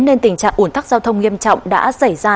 nên tình trạng ủn tắc giao thông nghiêm trọng đã xảy ra